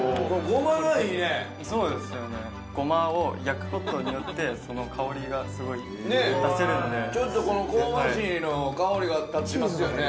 ごまを焼くことによってその香りがすごい出せるのでちょっとこの香ばしいの香りが立ちますよね